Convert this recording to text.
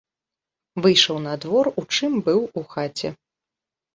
Выйшаў на двор у чым быў у хаце.